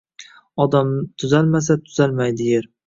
Odam tuzalmasa – tuzalmaydi Yer